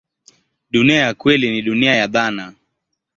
Dunia ya kweli ni dunia ya dhana.